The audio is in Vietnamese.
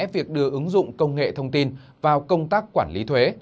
việc đưa ứng dụng công nghệ thông tin vào công tác quản lý thuế